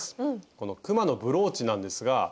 この「くまのブローチ」なんですが。